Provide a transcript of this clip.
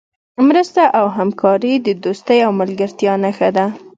مرسته او همکاري د دوستۍ او ملګرتیا نښه ده.